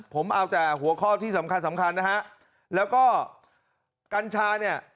ผมเอาแต่หัวข้อที่สำคัญสำคัญนะฮะแล้วก็กัญชาเนี่ย